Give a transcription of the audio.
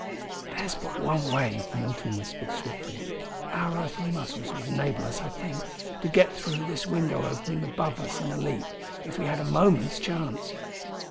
"There's but one way," Milton whispered swiftly. "Our earthly muscles would enable us, I think, to get through this window opening above us in a leap, if we had a moment's chance.